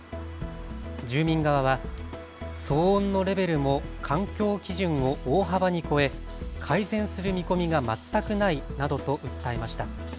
住民側は騒音のレベルも環境基準を大幅に超え改善する見込みが全くないなどと訴えました。